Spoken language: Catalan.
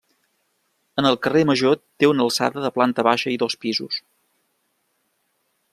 En el carrer Major té una alçada de planta baixa i dos pisos.